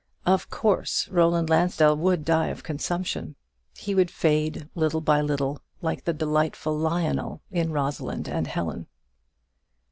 Of course Roland Lansdell would die of consumption; he would fade little by little, like that delightful Lionel in "Rosalind and Helen."